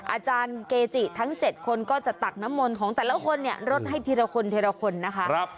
อาจารย์เกจิทั้ง๗คนก็จะตักน้ำมนต์ของแต่ละคนเนี่ยรดให้ทีละคนทีละคนนะคะ